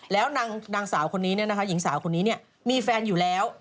แล้วนางสาวคนนี้หญิงสาวคนนี้มีแฟนอยู่แล้ว